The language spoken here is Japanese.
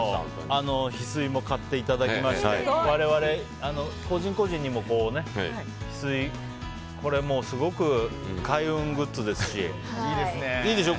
ヒスイも買っていただきまして我々、個人個人にもヒスイ、すごく開運グッズですしいいでしょ。